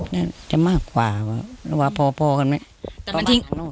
นั่นจะมากกว่าว่าพอกันไหม